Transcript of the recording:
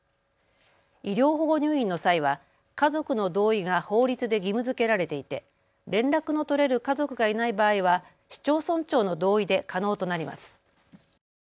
医療保護入院の際は家族の同意が法律で義務づけられていて連絡の取れる家族がいない場合は市町村長の同意で可能となります。